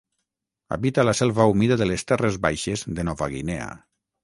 Habita la selva humida de les terres baixes de Nova Guinea.